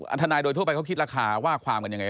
ทนายโดยทั่วไปเขาคิดราคาว่าความกันยังไง